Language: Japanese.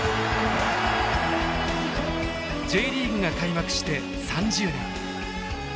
Ｊリーグが開幕して３０年。